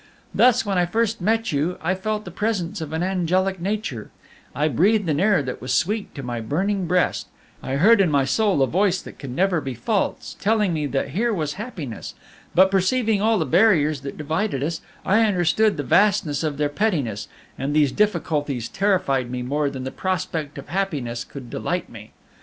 "Thus, when I first met you, I felt the presence of an angelic nature, I breathed an air that was sweet to my burning breast, I heard in my soul the voice that never can be false, telling me that here was happiness; but perceiving all the barriers that divided us, I understood the vastness of their pettiness, and these difficulties terrified me more than the prospect of happiness could delight me.